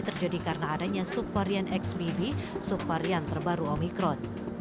terjadi karena adanya subparian xbb subparian terbaru omikron